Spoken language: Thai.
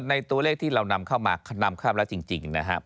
ในตัวเลขที่เรานำเข้ามานำเข้าแล้วจริงนะครับ